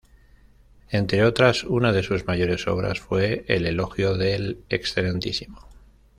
Entre otras, una de sus mayores obras fue el Elogio del Excmo.